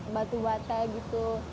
batu bata gitu